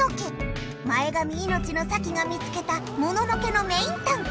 前髪いのちのサキが見つけたモノノ家のメインタンク